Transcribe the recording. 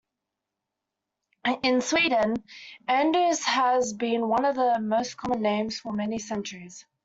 In Sweden, Anders has been one of the most common names for many centuries.